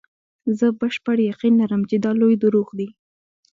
زه بشپړ یقین لرم چې دا لوی دروغ دي.